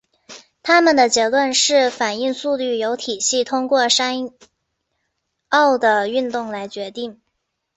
他们的结论是反应速率由体系通过山坳的运动来决定。